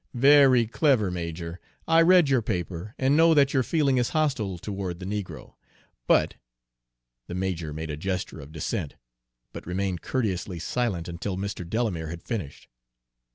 "Very clever, major! I read your paper, and know that your feeling is hostile toward the negro, but" The major made a gesture of dissent, but remained courteously silent until Mr. Delamere had finished.